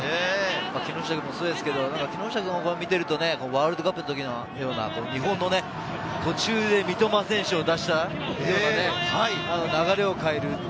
木下君もそうですけれど、木下君を見ているとワールドカップの日本のような、途中で三笘選手を出したら、流れを変える。